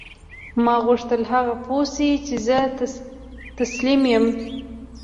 ما غوښتل هغه پوه شي چې زه تسلیم یم